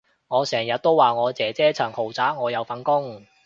我成日都話我姐姐層豪宅我有份供